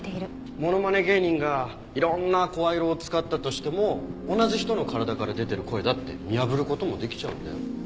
ものまね芸人がいろんな声色を使ったとしても同じ人の体から出てる声だって見破る事もできちゃうんだよ。